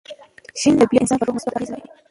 شین طبیعت د انسان پر روح مثبت اغېزه لري.